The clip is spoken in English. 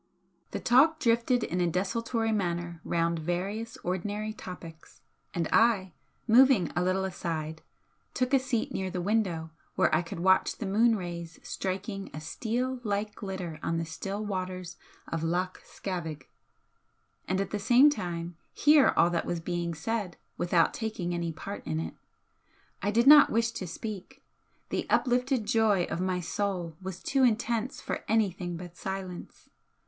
The talk drifted in a desultory manner round various ordinary topics, and I, moving a little aside, took a seat near the window where I could watch the moon rays striking a steel like glitter on the still waters of Loch Scavaig, and at the same time hear all that was being said without taking any part in it. I did not wish to speak, the uplifted joy of my soul was too intense for anything but silence.